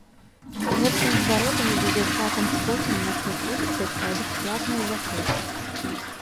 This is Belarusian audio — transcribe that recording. Хлопцам з бародамі ды дзяўчатам з косамі начны клуб абяцае бясплатны ўваход.